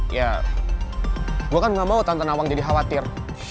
ya gue kan gak mau tante nawang jadi khawatir